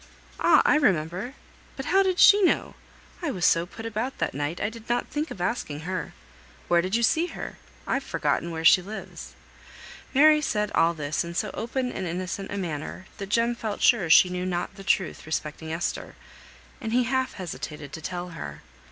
"Ah, I remember! but how did she know? I was so put about that night I did not think of asking her. Where did you see her? I've forgotten where she lives." Mary said all this in so open and innocent a manner, that Jem felt sure she knew not the truth respecting Esther, and he half hesitated to tell her.